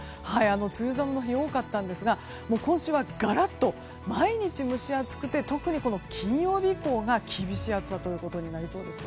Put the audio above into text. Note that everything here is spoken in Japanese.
梅雨寒の日が多かったんですが今週はがらっと毎日蒸し暑くて特に金曜日以降が厳しい暑さということになりそうです。